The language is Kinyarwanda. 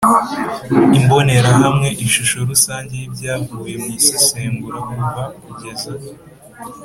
Imbonerahamwe ishusho rusange y ibyavuye mu isesengura kuva kugeza